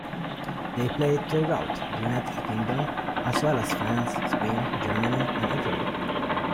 They played throughout the United Kingdom, as well as France, Spain, Germany and Italy.